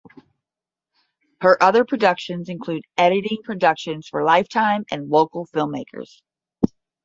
Her other productions include editing productions for Lifetime and local filmmakers.